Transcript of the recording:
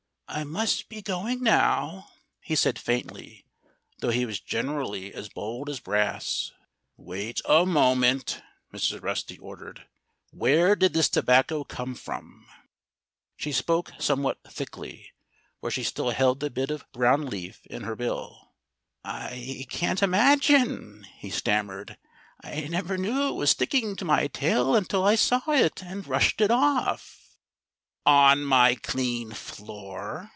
"I must be going now," he said faintly though he was generally as bold as brass. "Wait a moment!" Mrs. Rusty ordered. "Where did this tobacco come from?" She spoke somewhat thickly, for she still held the bit of brown leaf in her bill. "I can't imagine," he stammered. "I never knew it was sticking to my tail until I saw it and brushed it off " "On my clean floor!"